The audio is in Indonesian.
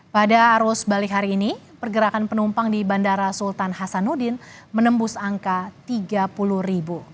pada arus balik hari ini pergerakan penumpang di bandara sultan hasanuddin menembus angka tiga puluh ribu